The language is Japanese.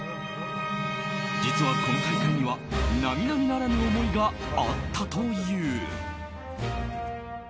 実は、この大会には並々ならぬ思いがあったという。